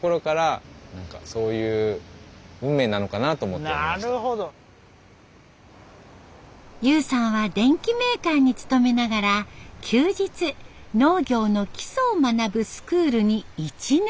自分はたまたま悠さんは電機メーカーに勤めながら休日農業の基礎を学ぶスクールに１年半。